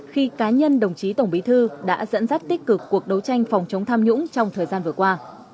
khi cá nhân đồng chí tổng bí thư đã dẫn dắt tích cực cuộc đấu tranh phòng chống tham nhũng trong thời gian vừa qua